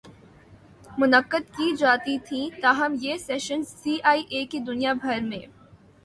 منعقد کی جاتی تھیں تاہم یہ سیشنز سی آئی اے کی دنیا بھر می